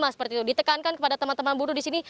seperti itu ditekankan kepada teman teman buruh di sini